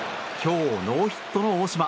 今日ノーヒットの大島。